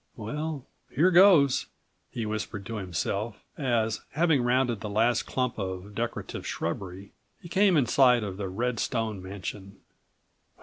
"Well here goes," he whispered to himself, as, having rounded the last clump of decorative shrubbery, he came in sight of the red stone mansion.